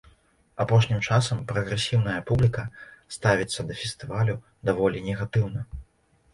Апошнім часам прагрэсіўная публіка ставіцца да фестывалю даволі негатыўна.